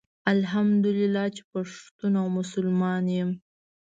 الحمدالله چي پښتون او مسلمان يم